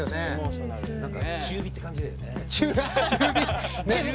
中火って感じだよね。